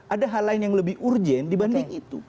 ada hal lain yang lebih urgent dibanding itu